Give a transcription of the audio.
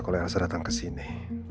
kalo elsa datang kesini